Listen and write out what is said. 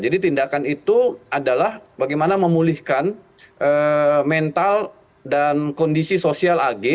jadi tindakan itu adalah bagaimana memulihkan mental dan kondisi sosial agh